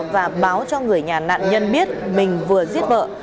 và báo cho người nhà nạn nhân biết mình vừa giết vợ